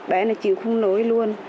bé này chịu không nói luôn